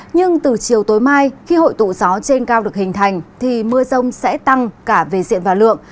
nhưng từ chiều tối mai khi hội tụ gió trên cao được hình thành thì mưa rông sẽ tăng cả về diện và lượng